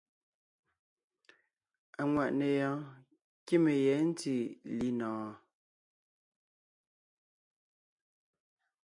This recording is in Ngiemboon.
Aŋwàʼne yɔɔn kíme yɛ̌ ntí linɔ̀ɔn?